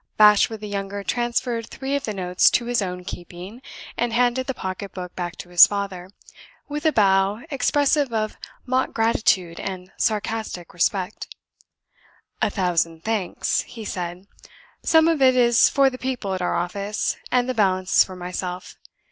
Bashwood the younger transferred three of the notes to his own keeping; and handed the pocket book back to his father, with a bow expressive of mock gratitude and sarcastic respect. "A thousand thanks," he said. "Some of it is for the people at our office, and the balance is for myself.